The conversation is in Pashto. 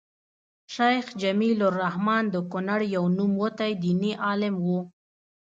شيخ جميل الرحمن د کونړ يو نوموتی ديني عالم وو